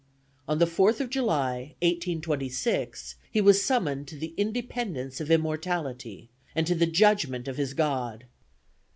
ON THE FOURTH OF JULY, 1826, HE WAS SUMMONED TO THE INDEPENDENCE OF IMMORTALITY, AND TO THE JUDGMENT OF HIS GOD.